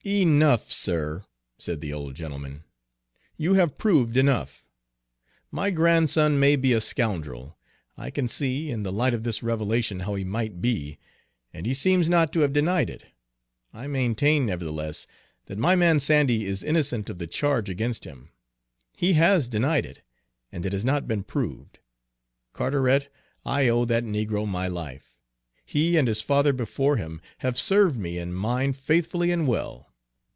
"Enough, sir," said the old gentleman. "You have proved enough. My grandson may be a scoundrel, I can see, in the light of this revelation, how he might be; and he seems not to have denied it. I maintain, nevertheless, that my man Sandy is innocent of the charge against him. He has denied it, and it has not been proved. Carteret, I owe that negro my life; he, and his father before him, have served me and mine faithfully and well.